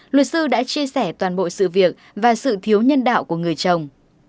luật sư đã chia sẻ toàn bộ sự việc và sự thiếu nhân đạo của người chồng